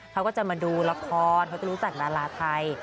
เขาก็จะมาดูละครเขาจะรู้จักดาราไทย